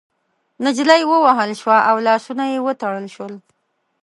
نجلۍ ووهل شوه او لاسونه يې وتړل شول.